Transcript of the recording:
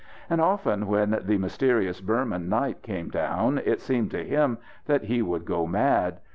And often, when the mysterious Burman night came down, it seemed to him that he would go mad.